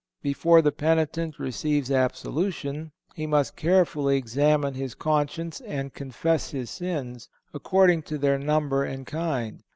Before the penitent receives absolution he must carefully examine his conscience and confess his sins, according to their number and kind.